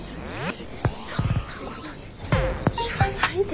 そんなこと言わないで。